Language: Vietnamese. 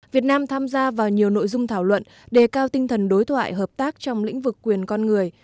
việt nam tham gia vào nhiều nội dung thảo luận đề cao tinh thần đối thoại hợp tác trong lĩnh vực quyền con người